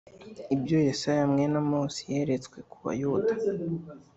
Ibyo Yesaya mwene Amosi yeretswe ku Bayuda